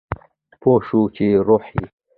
پوه شو چې روح یې